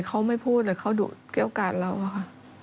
เขาไม่พูดเขาดูดเกี่ยวกับเราก็ค่ะ